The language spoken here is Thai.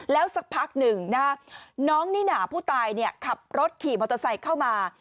แล้วสักพักหนึ่งน้องนิน่าผู้ตายขับรถขี่มอเตอร์ไซค์เข้ามา